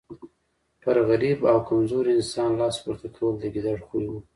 پر غریب او کمزوري انسان لاس پورته کول د ګیدړ خوی وو.